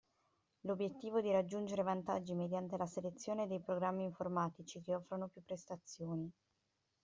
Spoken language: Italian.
L'obiettivo di raggiungere vantaggi mediante la selezione dei programmi informatici che offrono più prestazioni.